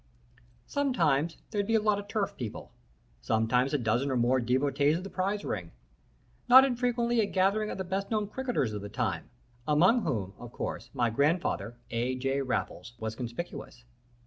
"Sometimes there'd be a lot of turf people: sometimes a dozen or more devotes of the prize ring; not infrequently a gathering of the best known cricketers of the time, among whom, of course, my grandfather, A. J. Raffles, was conspicuous.